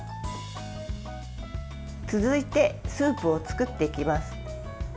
続いて、スープを作っていきます。